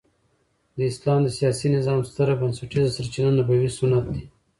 د اسلام د سیاسي نظام ستره بنسټيزه سرچینه نبوي سنت دي.